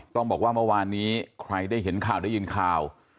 ต้องบอกว่าเมื่อวานนี้ใครได้เห็นข่าวได้ยินข่าว